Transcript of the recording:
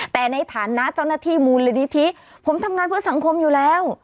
แต่ในฐานะเจ้าหน้าที่มูลนิธิผมทำงานเพื่อสังคมอยู่แล้ว